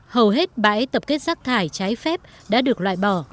hầu hết bãi tập kết rác thải trái phép đã được loại bỏ